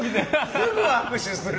すぐ握手する。